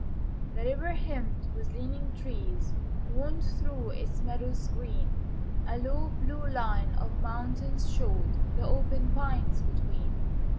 The river hemmed with leaning trees Wound through its meadows green; A low, blue line of mountains showed The open pines between.